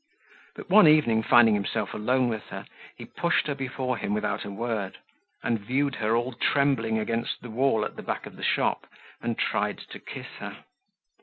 But one evening, finding himself alone with her, he pushed her before him without a word, and viewed her all trembling against the wall at the back of the shop, and tried to kiss her.